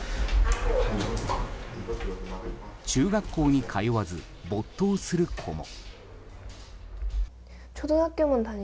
中学校に通わず、没頭する子も。